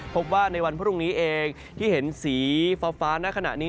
พบว่าในวันพรุ่งนี้เองที่เห็นสีฟ้าณขณะนี้